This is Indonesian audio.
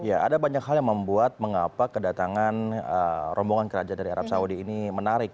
ya ada banyak hal yang membuat mengapa kedatangan rombongan kerajaan dari arab saudi ini menarik